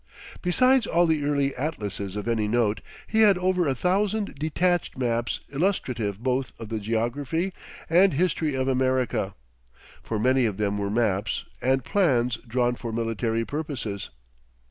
Besides all the early atlases of any note, he had over a thousand detached maps illustrative both of the geography and history of America; for many of them were maps and plans drawn for military purposes.